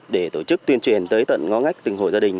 để tổ chức tuyên truyền tới tận ngó ngách từng hội gia đình